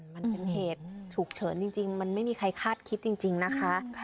มันเป็นเหตุฉุกเฉินจริงมันไม่มีใครคาดคิดจริงนะคะ